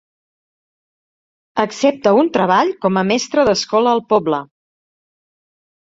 Accepta un treball com a mestre d'escola al poble.